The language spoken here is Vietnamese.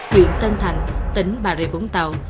huyện tân thành tỉnh bà rịa vũng tàu